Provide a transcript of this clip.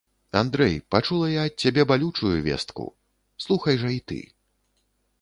Андрэй, пачула я ад цябе балючую вестку, слухай жа і ты.